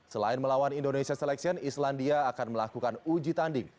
selain melawan indonesia selection islandia akan melakukan uji tanding